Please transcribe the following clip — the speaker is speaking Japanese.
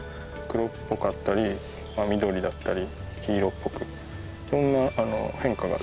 黒っぽかったり緑だったり黄色っぽく。